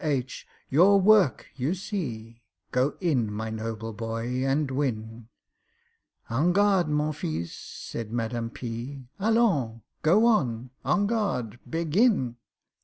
H., "Your work you see— Go in, my noble boy, and win." "En garde, mon fils!" said MADAME P. "Allons!" "Go on!" "En garde!" "Begin!"